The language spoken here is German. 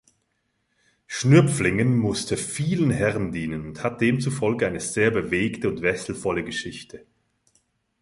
Schnürpflingen musste vielen Herren dienen und hat demzufolge eine sehr bewegte und wechselvolle Geschichte.